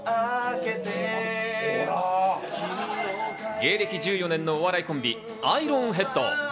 芸歴１４年のお笑いコンビ、アイロンヘッド。